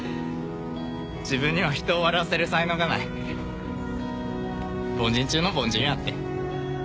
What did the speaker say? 自分には人を笑わせる才能がない凡人中の凡人やって